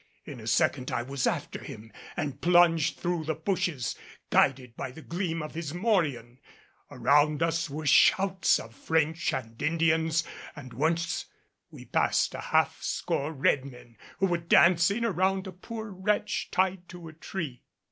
In a second I was after him and plunged through the bushes guided by the gleam of his morion. All around us were shouts of French and Indians and once we passed a half score red men who were dancing around a poor wretch tied to a tree.